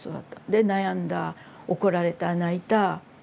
で悩んだ怒られた泣いた。